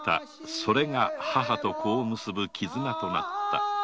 それが母と子を結ぶ絆となった。